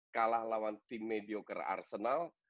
kalah lawan tim medioker arsenal